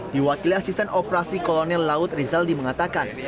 diwakili asisten operasi kolonel laut rizal dimengatakan